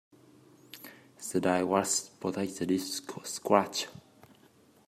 The dry wax protects the deep scratch.